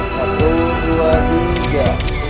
satu dua tiga